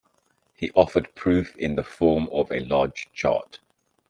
He offered proof in the form of a large chart.